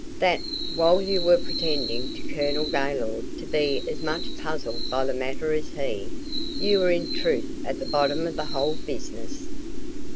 That, while you were pretending to Colonel Gaylord to be as much puzzled by the matter as he, you were in truth at the bottom of the whole business?"